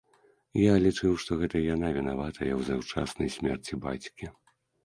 Я лічыў, што гэта яна вінаватая ў заўчаснай смерці бацькі.